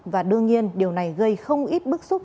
và đương nhiên điều này gây không ít bức xúc